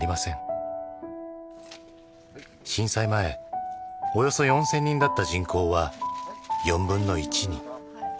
震災前およそ４０００人だった人口は４分の１に。